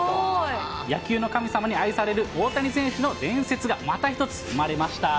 野球の神様に愛される大谷選手の伝説が、また一つ生まれました。